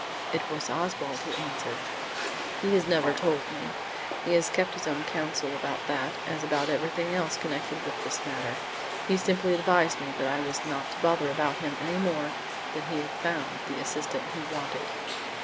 It was Oswald who answered. "He has never told me. He has kept his own counsel about that as about everything else connected with this matter. He simply advised me that I was not to bother about him any more; that he had found the assistant he wanted."